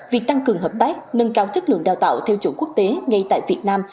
việc tăng cường hợp tác nâng cao chất lượng đào tạo theo chuẩn quốc tế ngay tại việt nam